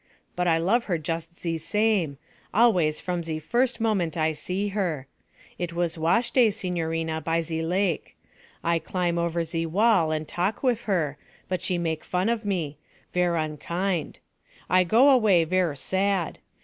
'But I love her just ze same, always from ze first moment I see her. It was wash day, signorina, by ze lac. I climb over ze wall and talk wif her, but she make fun of me ver' unkind. I go away ver' sad.